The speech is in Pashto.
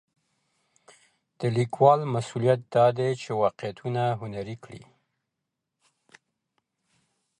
د لیکوال مسوولیت دا دی چې واقعیتونه هنري کړي.